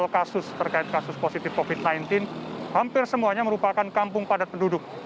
kasus terkait kasus positif covid sembilan belas hampir semuanya merupakan kampung padat penduduk